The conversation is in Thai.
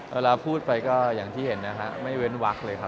เวลาพูดไปก็อย่างที่เห็นนะฮะไม่เว้นวักเลยครับ